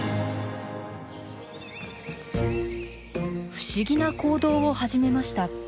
不思議な行動を始めました。